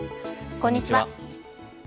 こんにちは。